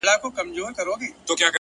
مثبت لید د ستونزو بڼه نرموي؛